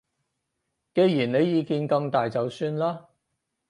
既然你意見咁大就算啦